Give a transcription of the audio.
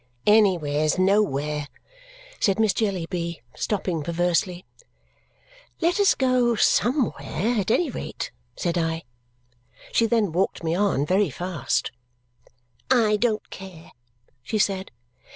"Anywhere's nowhere," said Miss Jellyby, stopping perversely. "Let us go somewhere at any rate," said I. She then walked me on very fast. "I don't care!" she said.